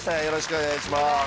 よろしくお願いします。